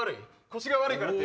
腰が悪いからって。